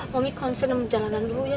mami konsen sama jalanan dulu ya